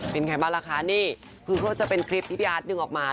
เป็นไงบ้างล่ะคะนี่คือก็จะเป็นคลิปที่พี่อาร์ตดึงออกมา